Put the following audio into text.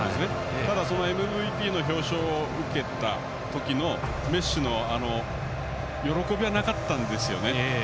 ただ、ＭＶＰの表彰を受けた時メッシ、喜びはなかったんですね。